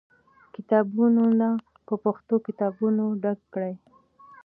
کتابتونونه په پښتو کتابونو ډک کړئ.